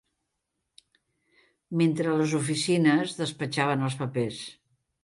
Mentre a les oficines, despatxaven els papers